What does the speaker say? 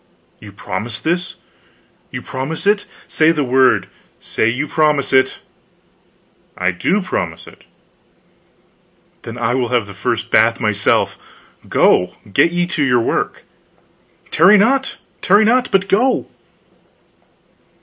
"You promise this? you promise it? Say the word say you promise it!" "I do promise it." "Then will I have the first bath myself! Go get ye to your work. Tarry not, tarry not, but go."